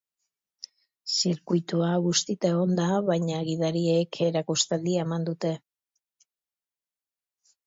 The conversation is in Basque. Zirkuitua bustita egon da, baina gidariek erakustaldia eman dute.